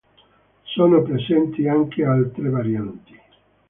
Sono presenti anche altre varianti.